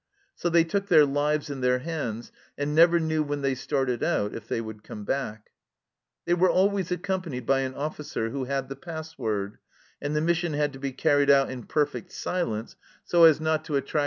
So they took their lives in their hands, and never knew when they started out if they would come back. They were always accompanied by an officer, who had the password, and the mission had to be carried out in perfect silence, so as not to attract 1.